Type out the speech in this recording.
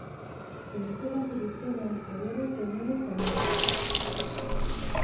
Se inició en las divisiones inferiores de Unión Española.